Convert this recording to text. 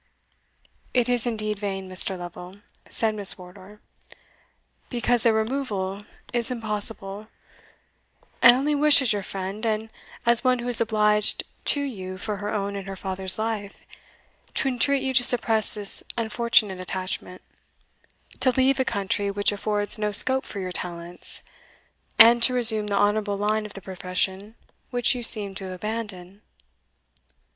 "It is indeed vain, Mr. Lovel," said Miss Wardour, "because their removal is impossible; and I only wish, as your friend, and as one who is obliged to you for her own and her father's life, to entreat you to suppress this unfortunate attachment to leave a country which affords no scope for your talents, and to resume the honourable line of the profession which you seem to have abandoned."